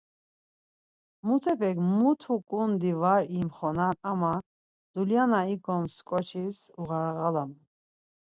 Mutepek muti ǩundi var imxonan ama dulya na ikums ǩoçis uğarğalaman.